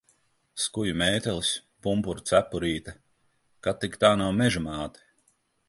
Skuju mētelis, pumpuru cepurīte. Kad tik tā nav Meža māte?